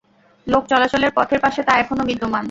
লোক চলাচলের পথের পাশে তা এখনও বিদ্যমান।